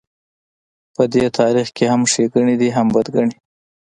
په دې تاریخ کې هم ښېګڼې دي هم بدرنګۍ.